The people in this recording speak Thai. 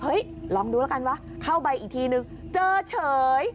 ลองดูแล้วกันวะเข้าไปอีกทีนึงเจอเฉย